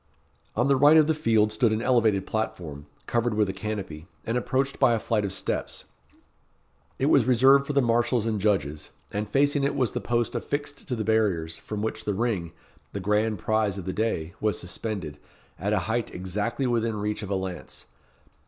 On the right of the field stood an elevated platform, covered with a canopy, and approached by a flight of steps. It was reserved for the marshals and judges, and facing it was the post affixed to the barriers, from which the ring, the grand prize of the day, was suspended, at a height exactly within reach of a lance.